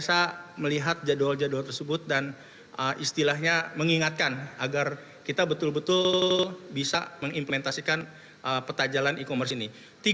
kita bisa melihat jadwal jadwal tersebut dan istilahnya mengingatkan agar kita betul betul bisa mengimplementasikan peta jalan e commerce ini